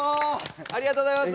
ありがとうございます。